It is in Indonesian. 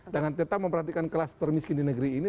dengan tetap memperhatikan kelas termiskin di negeri ini